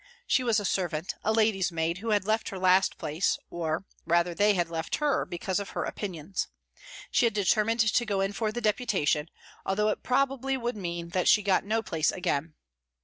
She was a servant, a lady's maid, who had left her last place, or, rather, they had left her, because of her opinions. She had determined to go in for the Deputation, although probably it would mean that she got no place again.